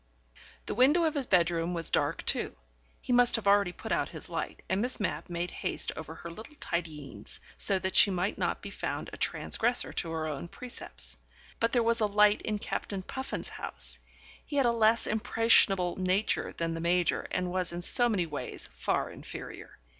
The window of his bedroom was dark too: he must have already put out his light, and Miss Mapp made haste over her little tidyings so that she might not be found a transgressor to her own precepts. But there was a light in Captain Puffin's house: he had a less impressionable nature than the Major and was in so many ways far inferior.